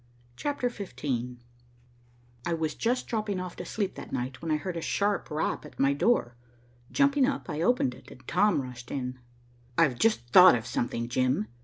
CHAPTER XV I was just dropping off to sleep that night when I heard a sharp rap at my door. Jumping up, I opened it, and Tom rushed in. "I've just thought of something, Jim.